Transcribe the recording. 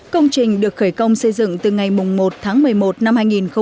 công trình được khởi công xây dựng từ ngày một tháng một mươi một năm hai nghìn một mươi bảy